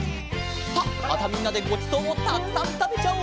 さあまたみんなでごちそうをたくさんたべちゃおう！